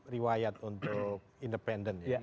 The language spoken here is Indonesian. riwayat untuk independen